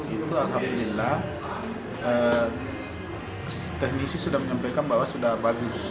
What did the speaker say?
sepuluh tiga puluh itu alhamdulillah teknisi sudah menyampaikan bahwa sudah bagus